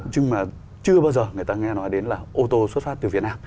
nhưng mà chưa bao giờ người ta nghe nói đến là ô tô xuất phát từ việt nam